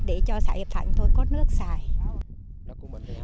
để cho xã hiệp thạnh huyện châu thành huyện châu thành huyện châu thành